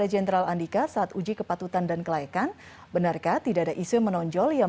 jenderal andika perkasa